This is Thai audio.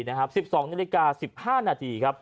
๑๒นาที๑๕นาที